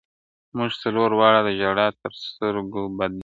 موږ څلور واړه د ژړا تر سـترگو بـد ايـسو,